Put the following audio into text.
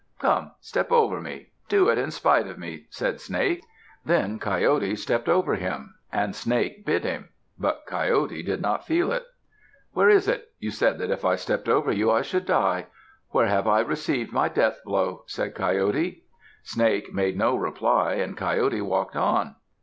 "Come! Step over me. Do it in spite of me," said Snake. Then Coyote stepped over him. And Snake bit him. But Coyote did not feel it. "Where is it? You said that if I stepped over you, I should die. Where have I received my death blow?" said Coyote. Snake made no reply and Coyote walked on.